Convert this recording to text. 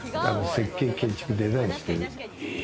設計、建築、デザインしてる。